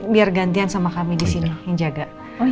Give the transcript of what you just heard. biar gantian sama kami di sini yang jaga